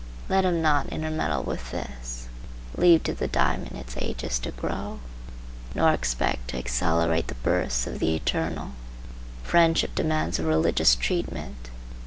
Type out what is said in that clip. Let him not intermeddle with this. Leave to the diamond its ages to grow, nor expect to accelerate the births of the eternal. Friendship demands a religious treatment.